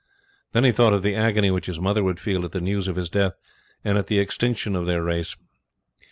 Then he thought of the agony which his mother would feel at the news of his death and at the extinction of their race.